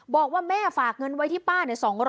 บอกว่าแม่ฝากเงินไว้ที่ป้า๒๐๐